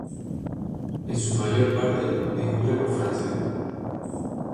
En su mayor parte discurre por Francia.